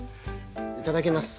いただきます。